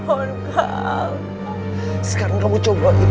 kalau kamu gak mau cobain